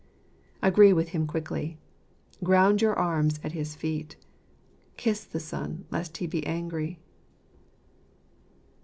Agree with Him quickly. Ground your arms at his feet. " Kiss the Son, lest He be angry."